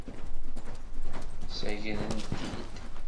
Ssagren-t-id.